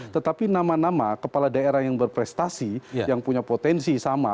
tetapi nama nama kepala daerah yang berprestasi yang punya potensi sama